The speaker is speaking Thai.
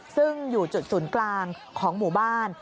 ซึ่งอยู่จุดศูนย์กลางของหมู่บ้าน